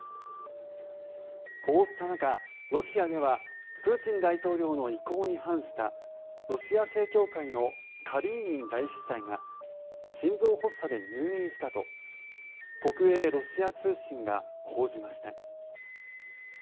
こうした中、ロシアではプーチン大統領の意向に反したロシア正教会のカリーニン大司祭が心臓発作で入院したと国営ロシア通信が報じました。